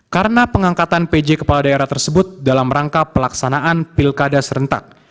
karena pengangkatan pj kepala daerah tersebut dalam rangka pelaksanaan pilkada serentak